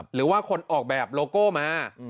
หรือว่าคนออกแบบโลโก้มา